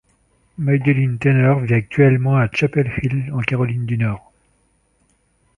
Madeline Taylor vit actuellement à Chapel Hill, en Caroline du Nord.